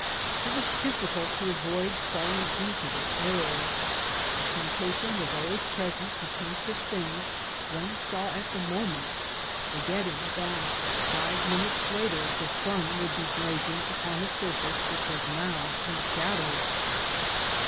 It was difficult to avoid falling into this error. The temptation was always present to paint the thing one saw at the moment, forgetting that five minutes later the sun would be blazing upon a surface which was now in shadow.